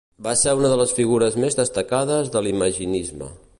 Va ser una de les figures més destacades de l'imaginisme.